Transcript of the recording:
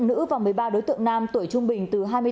có tám đối tượng nữ và một mươi ba đối tượng nam tuổi trung bình